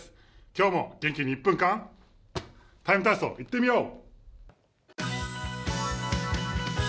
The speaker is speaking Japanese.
今日も元気に１分間「ＴＩＭＥ，体操」いってみよう！